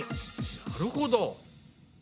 なるほど。